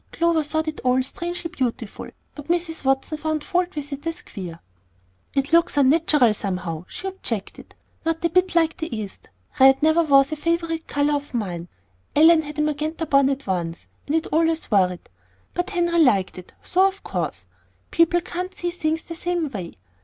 Clover thought it all strangely beautiful, but Mrs. Watson found fault with it as "queer." "It looks unnatural, somehow," she objected; "not a bit like the East. Red never was a favorite color of mine. Ellen had a magenta bonnet once, and it always worried But Henry liked it, so of course People can't see things the same way.